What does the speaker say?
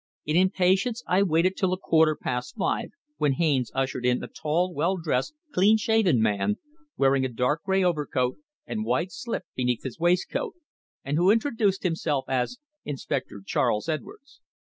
In impatience I waited till a quarter past five, when Haines ushered in a tall, well dressed, clean shaven man, wearing a dark grey overcoat and white slip beneath his waistcoat, and who introduced himself as Inspector Charles Edwards.